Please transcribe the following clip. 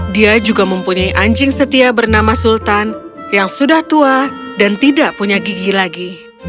dia juga mempunyai anjing setia bernama sultan yang sudah tua dan tidak punya gigi lagi